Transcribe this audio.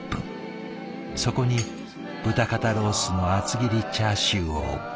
そこに豚肩ロースの厚切りチャーシューを５枚も。